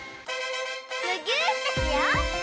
むぎゅーってしよう！